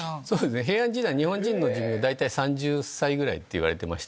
平安時代日本人の寿命３０歳ぐらいっていわれてました。